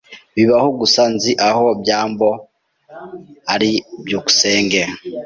Bibaho gusa nzi aho byambo ari. byukusenge